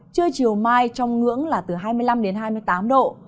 trưa chiều mai trong ngưỡng là từ hai mươi năm đến hai mươi tám độ